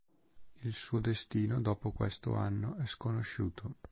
Il suo destino dopo questo anno è sconosciuto.